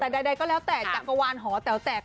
แต่ใดก็แล้วแต่จักรวาลหอแต๋วแตก